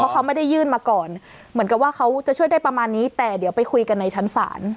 เขาไม่ได้ยื่นมาก่อนเหมือนกับว่าเขาจะช่วยได้ประมาณนี้แต่เดี๋ยวไปคุยกันในชั้นศาล